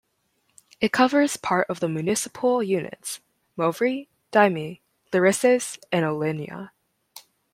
It covers part of the municipal units Movri, Dymi, Larissos and Olenia.